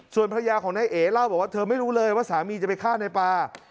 ส่วนภรรยาของนายเอ๋เล่าบอกว่าเธอไม่รู้เลยว่าสามีจะไปฆ่าในป่า